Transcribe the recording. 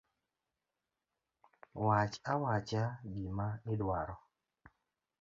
Wach awacha gima idwaro.